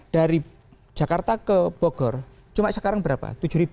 dari jakarta ke bogor cuma sekarang berapa tujuh ribu